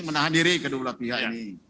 menahan diri kedua belah pihak ini